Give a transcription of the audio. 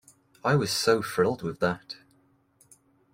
I was so thrilled with that.